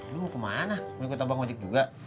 lu mau ke mana mau ikut bang ojak juga